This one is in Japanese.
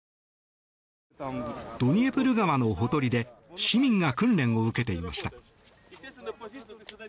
ドニエプル川のほとりで市民が訓練を受けていました。